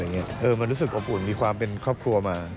มันรู้สึกอบอุ่นมีความเป็นครอบครัวมา